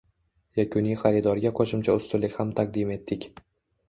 yakuniy xaridorga qo‘shimcha ustunlik ham taqdim etdik.